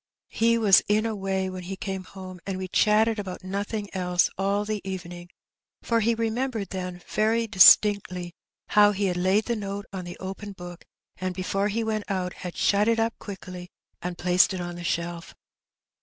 He Wds in a way when he came home, and we chatted about nothing else all the evening, for he remembered then very distinctly how he had laid the note on the open book, and before he went out had shut it up quickly, and placed it on the shelf.